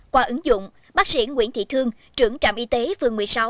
qua ứng dụng bác sĩ nguyễn thị thương trưởng trạm y tế phường một mươi sáu